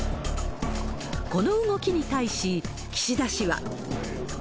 この動きに対し、岸田氏は。